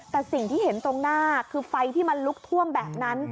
แต่สิ่งที่เห็นตรงหน้าคือไฟที่มันลุกท่วมแบบนั้น